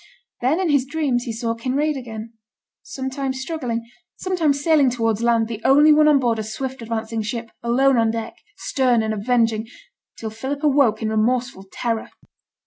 Then in his dreams he saw Kinraid again, sometimes struggling, sometimes sailing towards land, the only one on board a swift advancing ship, alone on deck, stern and avenging; till Philip awoke in remorseful terror.